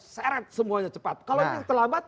seret semuanya cepat kalau ini terlambat